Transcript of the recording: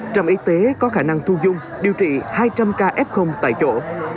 trạm y tế có khả năng thu dung điều trị hai trăm linh ca f tại chỗ